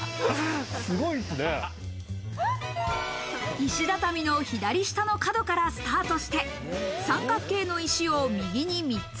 石畳の左下の角からスタートして、三角形の石を右に３つ。